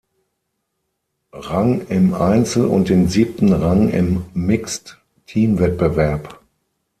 Rang im Einzel- und den siebten Rang im Mixed-Teamwettbewerb.